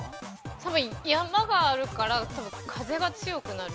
◆多分山があるから、多分風が強くなる。